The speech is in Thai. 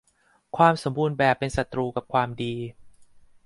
ความสมบูรณ์แบบเป็นศัตรูกับความดี